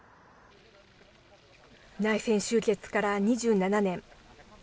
内戦終結から２７年。